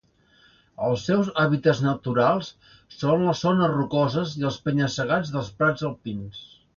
Els seus hàbitats naturals són les zones rocoses i els penya-segats dels prats alpins.